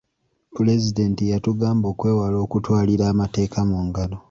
Pulezidenti yatugamba okwewala okutwalira amateeka mu ngalo.